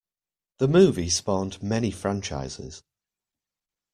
The movie spawned many franchises.